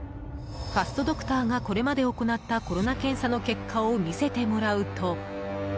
ファストドクターがこれまで行ったコロナ検査の結果を見せてもらうと。